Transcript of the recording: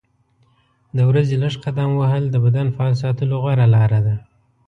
د ورځې لږ قدم وهل د بدن فعال ساتلو غوره لاره ده.